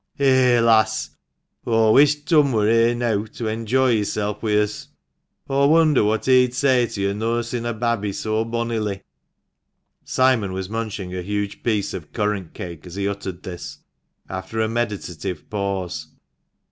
" Eh, lass, aw wish Turn wur here neaw, to enjoy hisself wi' us. Aw wonder what he'd say to yo' nursin' a babby so bonnily?" Simon was munching a huge piece of currant cake as he uttered this, after a meditative pause.